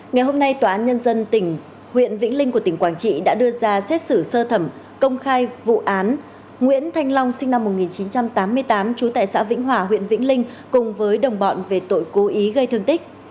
ngày hôm nay tòa án nhân dân tỉnh huyện vĩnh linh của tỉnh quảng trị đã đưa ra xét xử sơ thẩm công khai vụ án nguyễn thanh long sinh năm một nghìn chín trăm tám mươi tám trú tại xã vĩnh hòa huyện vĩnh linh cùng với đồng bọn về tội cố ý gây thương tích